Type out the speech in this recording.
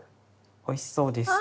おいしそうです。